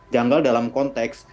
janggal dalam konteks